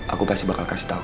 aku pasti bakal kasih tau